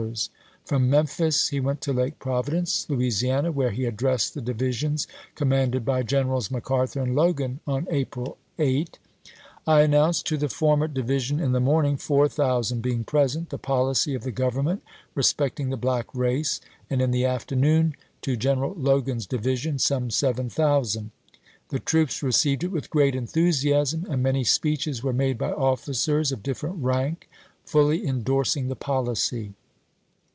isea. From Memphis he went to Lake Providence, Lou isiana, where he addressed the divisions com 460 ABRAHAM LINCOLN Chap. XX. mauded by Grenerals McArthur and Logan on April 8: "I announced to the former division in the morning, 4000 being present, the pohey of the Government respecting the black race, and in the afternoon to Greneral Logan's division, some 7000/ The troops received it with great enthusiasm, and many speeches were made by officers of differ ent rank, fully indorsing the policy.